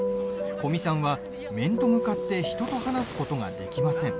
古見さんは、面と向かって人と話すことができません。